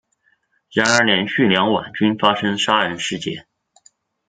然而连续两晚均发生杀人事件。